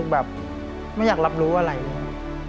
มันไม่อยากทำอะไรเลย